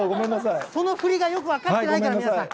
その振りがよく分かってないから、皆さん。